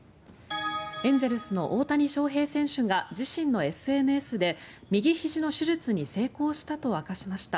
エンゼルスの大谷翔平選手が自身のＳＮＳで右ひじの手術に成功したと明かしました。